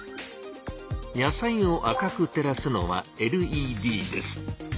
野菜を赤く照らすのはＬＥＤです。